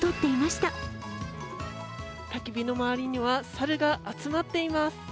たき火の周りには猿が集まっています。